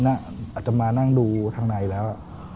อาจจะมานั่งดูข้างในแล้ว